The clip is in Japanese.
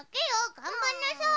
がんばんなさい。